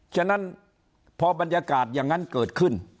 ฉะนั้นพอบรรยากาศอย่างนั้นเกิดขึ้น